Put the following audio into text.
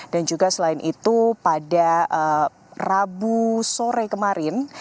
dan juga selain itu pada rabu sore kemarin